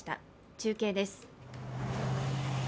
中継です。